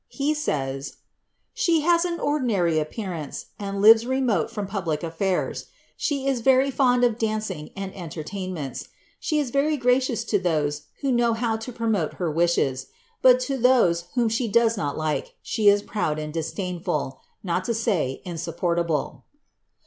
He says: ^she has an ordinanr appearance, and lives remote from public afiairs. She is very fond of dancing and entertainments. She is very gracious to those who know how to promote her wishes ; but to those whom she does not Hke, she is proud, disdainful — not to say insupportable.